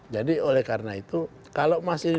jadi oleh karena itu kalau masih